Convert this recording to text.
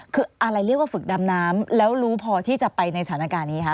คืออะไรเรียกว่าฝึกดำน้ำแล้วรู้พอที่จะไปในสถานการณ์นี้คะ